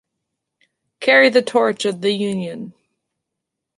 Carry the torch of the Union!